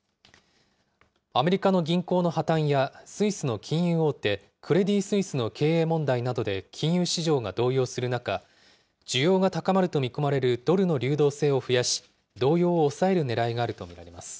アメリカの銀行の破綻や、スイスの金融大手、クレディ・スイスの経営問題などで、金融市場が動揺する中、需要が高まると見込まれるドルの流動性を増やし、動揺を抑えるねらいがあると見られます。